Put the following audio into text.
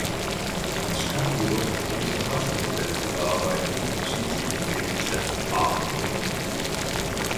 Anstatt jedoch das große Hudson-Modell zu überarbeiten, entschied sich der Firmenchef "A.